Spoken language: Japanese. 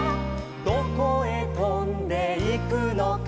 「どこへとんでいくのか」